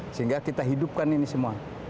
sehingga kita hidupkan ini semua